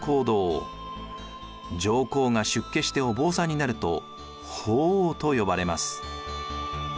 上皇が出家してお坊さんになると法皇と呼ばれます。